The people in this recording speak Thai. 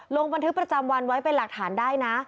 ลงบันทึกประจำวันไว้เป็นหลักฐานได้นะ